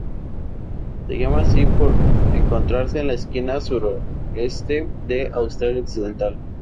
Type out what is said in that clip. Se llama así por encontrarse en la esquina suroeste de Australia Occidental.